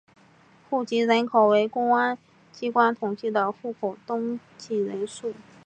户籍人口为公安机关统计的户口登记人数。